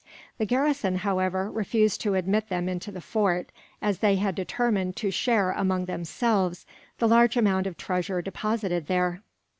The garrison, however, refused to admit them into the fort; as they had determined to share, among themselves, the large amount of treasure deposited there.